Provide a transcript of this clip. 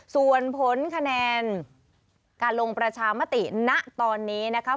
ส่วนผลคะแนนการลงประชามติณตอนนี้นะคะ